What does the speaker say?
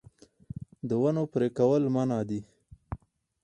د ونو پرې کول منع دي